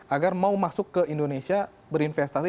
agar mau masuk ke indonesia berinvestasi